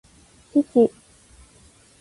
父